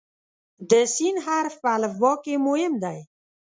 د "س" حرف په الفبا کې مهم دی.